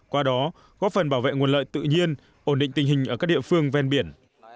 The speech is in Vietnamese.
qua đó góp phần bảo vệ nguồn lợi tự nhiên ổn định tình hình ở các địa phương ven biển